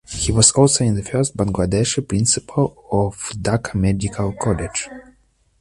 He was also the first Bangladeshi principal of Dhaka Medical College.